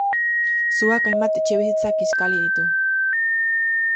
Suak hainbat etxebizitza kiskali ditu.